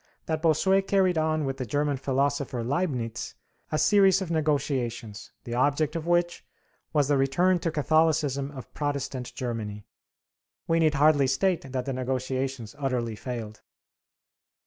that Bossuet carried on with the German philosopher Leibnitz a series of negotiations, the object of which was the return to Catholicism of Protestant Germany. We need hardly state that the negotiations utterly failed.